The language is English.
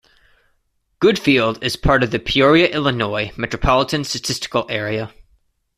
Goodfield is part of the Peoria, Illinois Metropolitan Statistical Area.